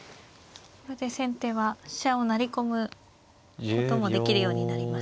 先手は飛車を成り込むこともできるようになりましたね。